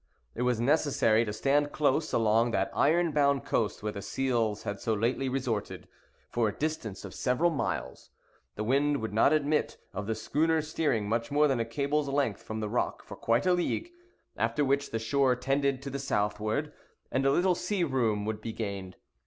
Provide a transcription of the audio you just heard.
It was necessary to stand close along that iron bound coast where the seals had so lately resorted, for a distance of several miles. The wind would not admit of the schooners steering much more than a cable's length from the rock for quite a league; after which the shore tended to the southward, and a little sea room would be gained.